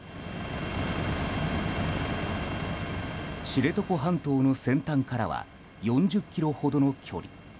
知床半島の先端からは４０ｋｍほどの距離。